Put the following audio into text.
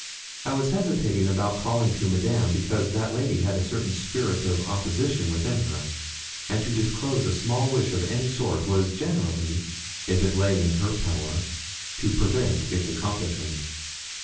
I was hesitating about calling to Madame, because that lady had a certain spirit of opposition within her, and to disclose a small wish of any sort was generally, if it lay in her power, to prevent its accomplishment.